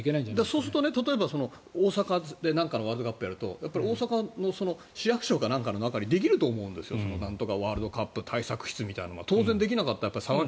そうすると、例えば大阪で何かのワールドカップをやると大阪の市役所かなんかの中になんとかワールドカップ対策室みたいなのができると思うんですよ。